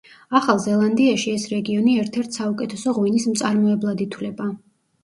ახალ ზელანდიაში ეს რეგიონი ერთ-ერთ საუკუთესო ღვინის მწარმოებლად ითვლება.